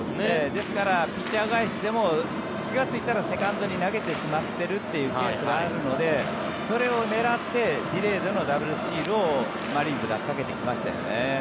ですからピッチャー返しでも気がついたらセカンドに投げてしまっているというケースがあるのでそれを狙ってディレードのダブルスチールをマリーンズがかけてきましたよね。